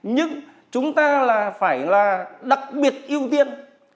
nhưng chúng ta phải là đặc biệt ưu tiên